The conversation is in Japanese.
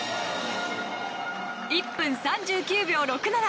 １分３９秒６７。